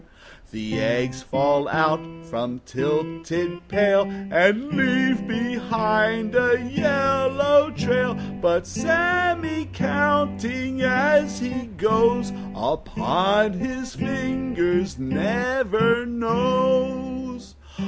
The eggs fall out from tilted pail And leave behind a yellow trail; But Sammy, counting, as he goes, Upon his fingers, never knows.